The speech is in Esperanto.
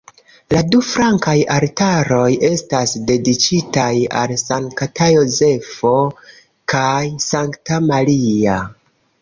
La du flankaj altaroj estas dediĉitaj al Sankta Jozefo kaj Sankta Maria.